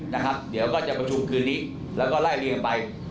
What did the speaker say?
นะครับเดี๋ยวก็จะประชุมคืนนี้แล้วก็ไล่เรียงไป